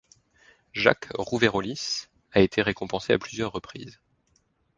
Jacques Rouveyrollis a été récompensé à plusieurs reprises.